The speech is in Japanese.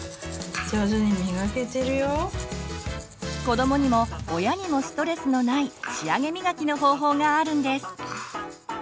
子どもにも親にもストレスのない仕上げみがきの方法があるんです。